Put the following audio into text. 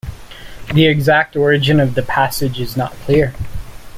The exact origin of the passage is not clear.